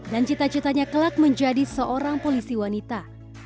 dan cita citanya kelak menjadi seorang polisi wanita